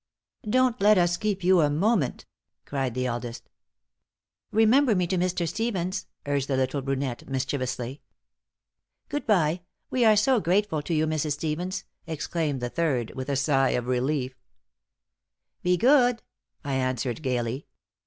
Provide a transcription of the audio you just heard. "Don't let us keep you a moment," cried the eldest. "Remember me to Mr. Stevens," urged the little brunette, mischievously. "Good bye! We are so grateful to you, Mrs. Stevens," exclaimed the third, with a sigh of relief. "Be good!" I answered, gaily.